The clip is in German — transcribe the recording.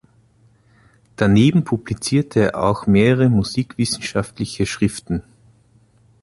Daneben publizierte er auch mehrere musikwissenschaftliche Schriften.